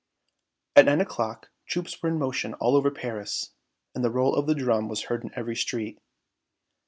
At nine o'clock troops were in motion all over Paris, and the roll of the drum was heard in every street.